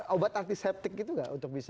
obat antiseptik itu nggak untuk bisa